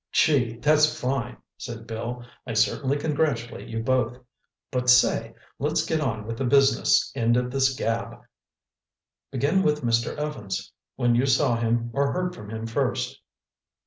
"Gee, that's fine," said Bill. "I certainly congratulate you both. But say, let's get on with the business end of this gab. Begin with Mr. Evans—when you saw him or heard from him first."